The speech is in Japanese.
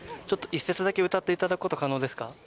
ちょっと一節だけ歌っていただくこと可能ですか？